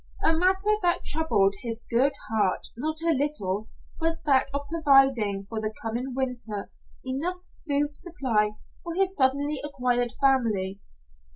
A matter that troubled his good heart not a little was that of providing for the coming winter enough food supply for his suddenly acquired family.